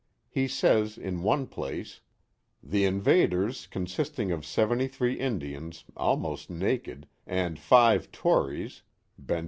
He says in one place: The invaders, consisting of 73 Indians, almost naked, and five tories — Benj.